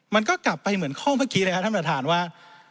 มันก็กลับไปเหมือนข้อเมื่อกี้เลยครับท่านประธานว่า